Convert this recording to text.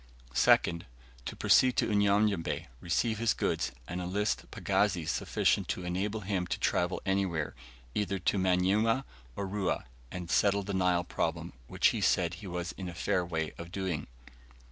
2nd. To proceed to Unyanyembe, receive his goods, and enlist pagazis sufficient to enable him to travel anywhere, either to Manyuema or Rua, and settle the Nile problem, which he said he was in a fair way of doing.